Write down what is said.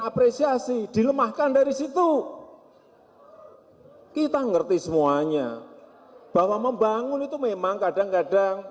apresiasi dilemahkan dari situ kita ngerti semuanya bahwa membangun itu memang kadang kadang